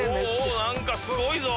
何かすごいぞ！